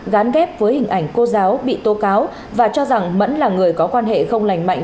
gán ghép với hình ảnh cô giáo bị tố cáo và cho rằng mẫn là người có quan hệ không lành mạnh